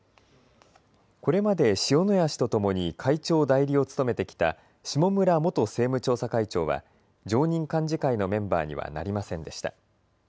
これまで塩谷氏とともに会長代理を務めてきた下村元政務調査会長は常任幹事会のメンバーにはなりませんでした。